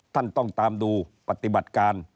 ท่านต้องตามดูปฏิบัติการ